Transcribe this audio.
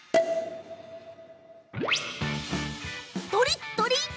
とりっとり！